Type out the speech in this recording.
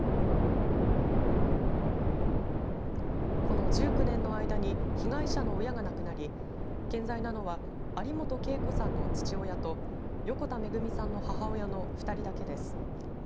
この１９年の間に被害者の親が亡くなり健在なの有本恵子さんの父親と横田めぐみさんの母親の２人だけです。